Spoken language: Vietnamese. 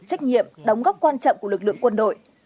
trách nhiệm đóng góp quan trọng của lực lượng quân đội